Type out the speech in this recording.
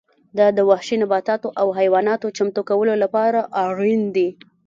دا د وحشي نباتاتو او حیواناتو چمتو کولو لپاره اړین دي